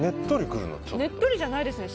ねっとりじゃないですね